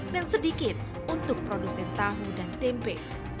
dan sedikit untuk produsen tahu dan tempe